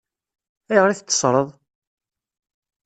Ayɣer i t-teṣṣṛeḍ?